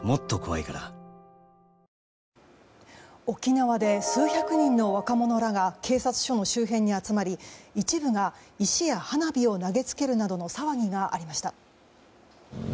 沖縄で数百人の若者らが警察署の周辺に集まり一部が石や花火を投げつけるなどの騒ぎがありました。